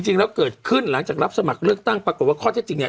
จริงแล้วเกิดขึ้นหลังจากรับสมัครเลือกตั้งปรากฏว่าข้อเท็จจริงเนี่ย